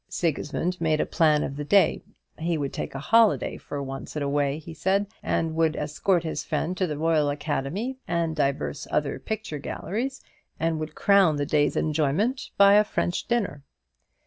Sigismund made a plan of the day. He would take a holiday for once in a way, he said, and would escort his friend to the Royal Academy, and divers other picture galleries, and would crown the day's enjoyment by a French dinner.